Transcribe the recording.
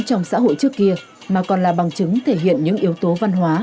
trong xã hội trước kia mà còn là bằng chứng thể hiện những yếu tố văn hóa